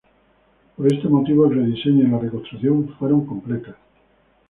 Por este motivo el rediseño y la reconstrucción fueron completas.